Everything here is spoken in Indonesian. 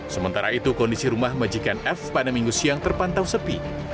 sementara itu kondisi rumah majikan f pada minggu siang terpantau sepi